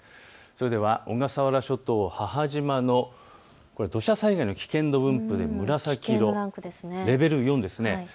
それでは小笠原諸島、母島の土砂災害の危険度分布で紫色、レベル４です。